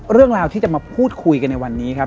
เรื่องราวที่จะมาพูดคุยกันในวันนี้ครับ